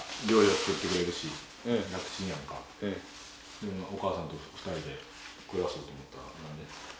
でもお母さんと２人で暮らそうと思ったのは何で？